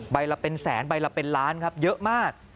ละเป็นแสนใบละเป็นล้านครับเยอะมาก